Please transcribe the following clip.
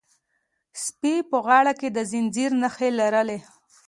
سپي په غاړه کې د زنځیر نښې لرلې.